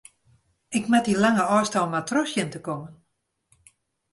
Ik moat dy lange ôfstân mar troch sjen te kommen.